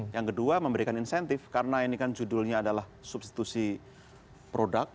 yang kedua memberikan insentif karena ini kan judulnya adalah substitusi produk